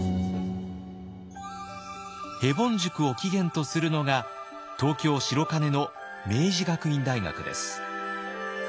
ヘボン塾を起源とするのが東京・白金の明治学院大学です。